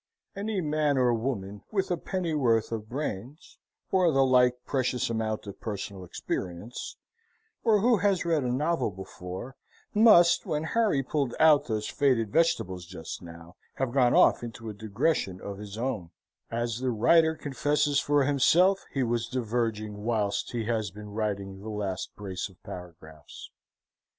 Any man or woman with a pennyworth of brains, or the like precious amount of personal experience, or who has read a novel before, must, when Harry pulled out those faded vegetables just now, have gone off into a digression of his own, as the writer confesses for himself he was diverging whilst he has been writing the last brace of paragraphs.